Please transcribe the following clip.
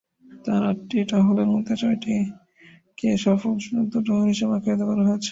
তার আটটি টহলের মধ্যে ছয়টিকে "সফল যুদ্ধ টহল" হিসেবে আখ্যায়িত করা হয়।